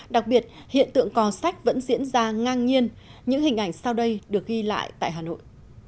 đặc biệt hiện tượng cò sách vẫn diễn ra ngang nhiên những hình ảnh sau đây được ghi lại tại hà nội